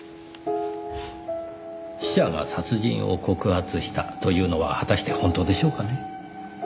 死者が殺人を告発したというのは果たして本当でしょうかね？